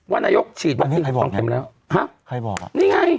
นายกฉีดวัคซีนสองเข็มแล้วฮะใครบอกอ่ะนี่ไง